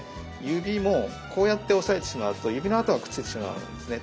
指もこうやって押さえてしまうと指の跡がくっついてしまうんですね。